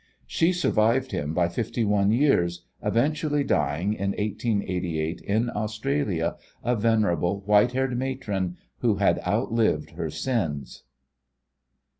She survived him by fifty one years, eventually dying in 1888 in Australia, a venerable, white haired matron who had outlived her sins.